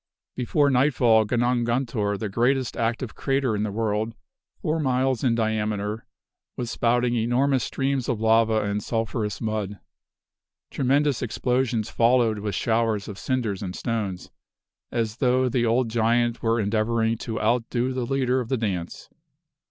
Before nightfall Gunung guntur, the greatest active crater in the world, four miles in diameter, was spouting enormous streams of lava and sulphurous mud. Tremendous explosions followed with showers of cinders and stones, as though the old giant were endeavoring to out do the leader of the dance.